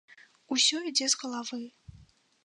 Усё ідзе з галавы.